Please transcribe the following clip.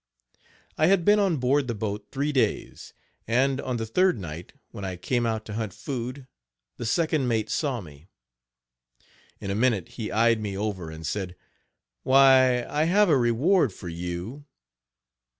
I had been on board the boat three days; and, on the third night, when I came out to hunt food, the second mate saw me. In a minute he eyed me over and said: "Why, I have a reward for you."